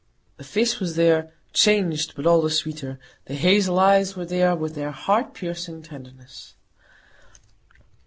The face was there,—changed, but all the sweeter; the hazel eyes were there, with their heart piercing tenderness.